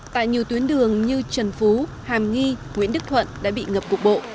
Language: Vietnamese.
tại nhiều tuyến đường như trần phú hàm nghi nguyễn đức thuận đã bị ngập cục bộ